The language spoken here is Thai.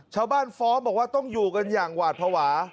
ชาวบ้านฟ้องบอกว่าต้องอยู่กันอย่างหวาดภวา